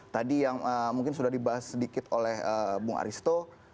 tadi yang mungkin sudah dibahas sedikit oleh bung aristo